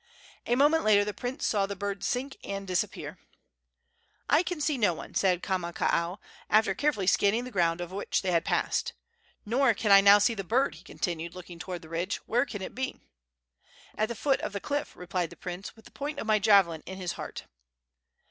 A moment later the prince saw the bird sink and disappear. "I can see no one," said Kamakaua, after carefully scanning the ground over which they had passed. "Nor can I now see the bird," he continued, looking toward the ridge. "Where can it be?" "At the foot of the cliff," replied the prince, "with the point of my javelin in his heart."